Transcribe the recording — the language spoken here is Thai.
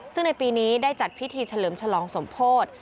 ซึ่งในปีนี้ได้จัดพิธีเฉลิมฉลองสมโพธิ